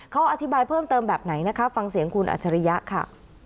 เขาอธิบายเพิ่มเติมแบบไหนนะคะฟังเสียงคุณอัจฉริยะค่ะ